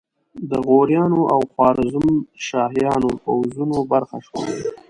د غوریانو او خوارزمشاهیانو پوځونو برخه شول.